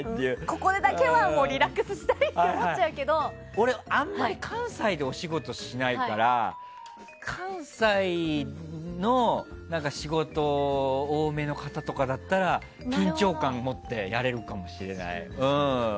ここでだけはリラックスしたいって俺、あまり関西でお仕事しないから関西の仕事が多めの方とかだったら緊張感持ってやれるかもしれない。